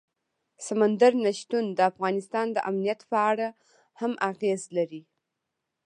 سمندر نه شتون د افغانستان د امنیت په اړه هم اغېز لري.